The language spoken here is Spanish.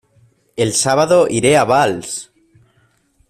¡El sábado iré a Valls!